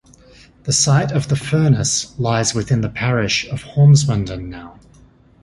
The site of the furnace lies within the parish of Horsmonden now.